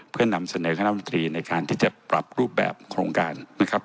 เพื่อนำเสนอคณะมนตรีในการที่จะปรับรูปแบบโครงการนะครับ